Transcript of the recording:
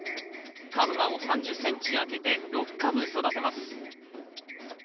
株間を３０ｃｍ空けて６株育てます。